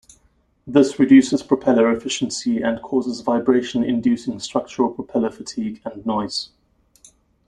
This reduces propeller efficiency and causes vibration inducing structural propeller fatigue and noise.